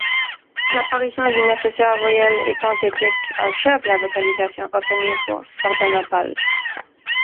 L'apparition d'une nécessaire voyelle épenthètique achève la vocalisation obtenue pour Sardanapale.